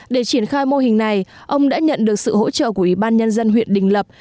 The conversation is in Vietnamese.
để triển khai mô hình này ông đã nhận được sự hỗ trợ của ủy ban nhân dân huyện đình lập